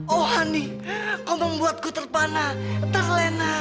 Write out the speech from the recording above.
oh hani kau membuatku terpana terlena